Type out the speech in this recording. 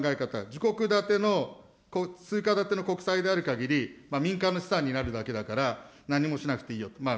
自国建ての通貨建ての国債であるかぎり、民間の資産になるだけだから、何もしなくていいよと。